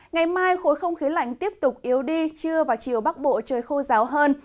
ngày mai khối không khí lạnh tiếp tục yếu đi trưa và chiều bắc bộ trời khô ráo hơn